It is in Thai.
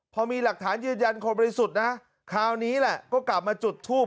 พอมีหลักฐานยืดยันคมไปที่สุดนะคราวนี้แล้วก็กลับมาจุดทูป